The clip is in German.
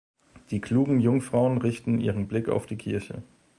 Die klugen Jungfrauen richten ihren Blick auf die Kirche.